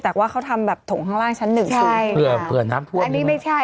แต่ว่าเขาทำแบบถงข้างล่างชั้นหนึ่งสูงใช่เผื่อเผื่อน้ำท่วมอันนี้ไม่ใช่